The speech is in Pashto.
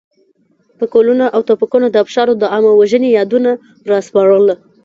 پکولونه او توپکونو د ابشارو د عامه وژنې یادونه راسپړله.